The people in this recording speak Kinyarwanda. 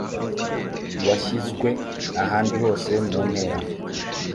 washyizwe ahandi hose muntera